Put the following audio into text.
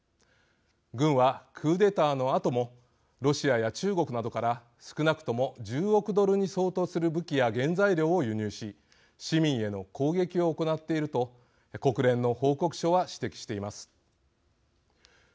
軍は、クーデターのあともロシアや中国などから少なくとも１０億ドルに相当する武器や原材料を輸入し市民への攻撃を行っていると国連の報告書は指摘しています。